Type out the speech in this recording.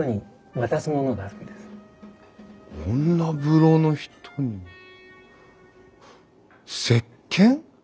女風呂の人にせっけん？